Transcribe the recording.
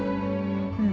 うん。